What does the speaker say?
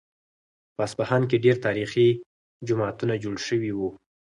په اصفهان کې ډېر تاریخي جوماتونه جوړ شوي وو.